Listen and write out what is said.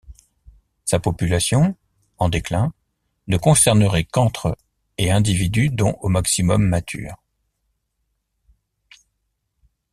Sa population, en déclin, ne concernerait qu'entre et individus dont au maximum matures.